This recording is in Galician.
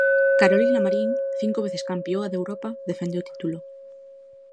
Carolina Marín, cinco veces campioa de Europa, defende o título.